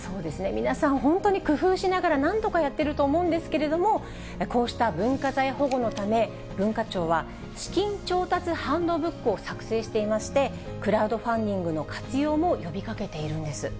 皆さん本当に工夫しながらなんとかやってると思うんですけれども、こうした文化財保護のため、文化庁は資金調達ハンドブックを作成していまして、クラウドファンディングの活用も呼びかけているんです。